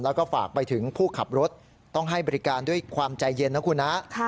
แล้วก็ฝากไปถึงผู้ขับรถต้องให้บริการด้วยความใจเย็นนะคุณฮะ